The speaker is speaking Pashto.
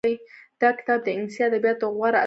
دا کتاب د انګليسي ادبياتو غوره اثر بلل کېږي.